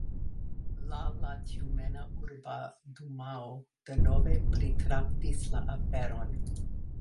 La la Tjumena Urba Dumao denove pritraktis la aferon.